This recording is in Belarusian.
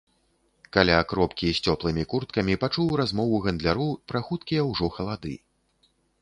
Каля кропкі з цёплымі курткамі пачуў размову гандляроў пра хуткія ўжо халады.